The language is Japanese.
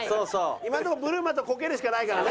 今のとこ「ブルマ」と「コケる」しかないからね。